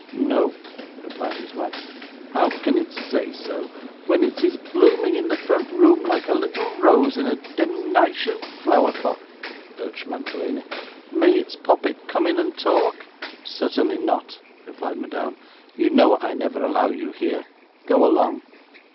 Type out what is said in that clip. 'No,' replied his wife. 'How can it say so, when it is blooming in the front room like a little rose in a demnition flower pot?' urged Mantalini. 'May its poppet come in and talk?' 'Certainly not,' replied Madame: 'you know I never allow you here. Go along!